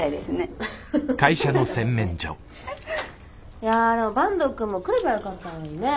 いやでも坂東くんも来ればよかったのにねえ。